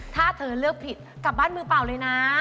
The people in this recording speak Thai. ถ้าเธอเลือกผิดกลับบ้านมือเปล่าเลยนะ